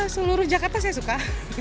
seluruh jakarta saya suka